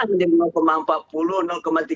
menurunkan empat puluh tiga puluh sembilan